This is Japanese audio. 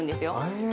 へえ。